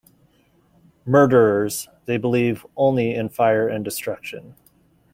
Murderers, they believe only in fire and destruction.